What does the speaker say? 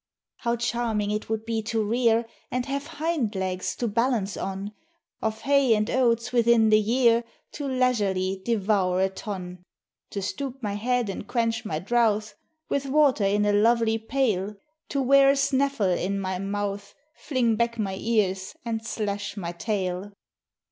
How charming it would be to rear, And have hind legs to balance on; Of hay and oats within the year To leisurely devour a ton; To stoop my head and quench my drouth With water in a lovely pail; To wear a snaffle in my mouth, Fling back my ears, and slash my tail!